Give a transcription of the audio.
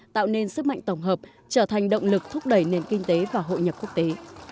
tạo nên sức mạnh tổng hợp trở thành động lực thúc đẩy nền kinh tế và hội nhập quốc tế